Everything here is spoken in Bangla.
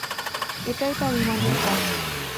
এটাই তার ঈমানের পথ।